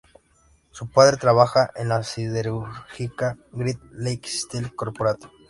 Su padre trabajaba en la siderúrgica Great Lakes Steel Corporation.